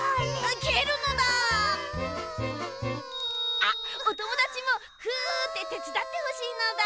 あっおともだちもふっててつだってほしいのだ！